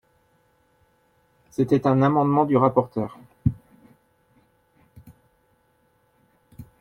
C’était un amendement du rapporteur.